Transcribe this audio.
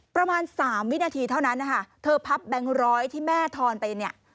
ประมาณ๓วินาทีเท่านั้นที่เธอพับแบงค์๑๐๐ที่แม่ทอนไปเนี่ย